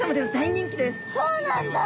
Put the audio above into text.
そうなんだ。